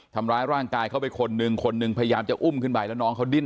ทำร้ายร่างกายเขาไปคนหนึ่งคนหนึ่งพยายามจะอุ้มขึ้นไปแล้วน้องเขาดิ้น